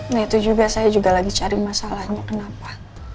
nah itu juga saya juga lagi cari masalahnya kenapa